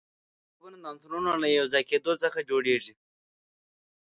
مرکبونه د عنصرونو له یو ځای کېدو څخه جوړیږي.